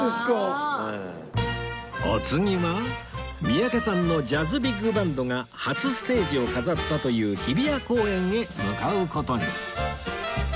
お次は三宅さんのジャズビッグバンドが初ステージを飾ったという日比谷公園へ向かう事に